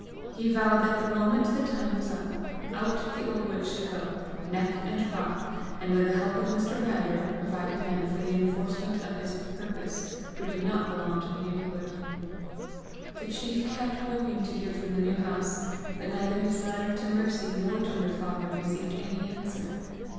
He vowed that the moment the time was up, out the old witch should go, neck and crop; and with the help of Mr. Brander, provided men for the enforcement of his purpose who did not belong to the neighbourhood. The chief kept hoping to hear from the New House, but neither his letter to Mercy nor to her father received any answer.